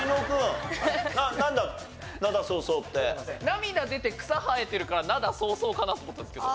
涙出て草生えてるから『涙そうそう』かなと思ったんですけど。